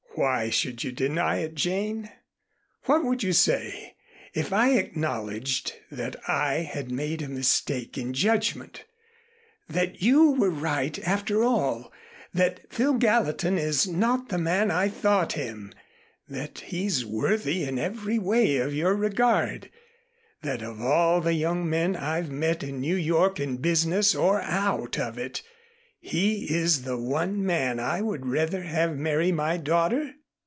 "Why should you deny it, Jane? What would you say if I acknowledged that I had made a mistake in judgment, that you were right after all, that Phil Gallatin is not the man I thought him, that he's worthy in every way of your regard, that of all the young men I've met in New York in business or out of it, he is the one man I would rather have marry my daughter?"